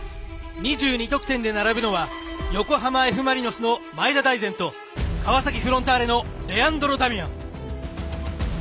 ２２得点で並ぶのは横浜Ｆ・マリノスの前田大然と川崎フロンターレのレアンドロ・ダミアン。